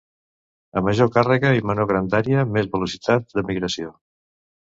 A major càrrega i menor grandària, més velocitat de migració.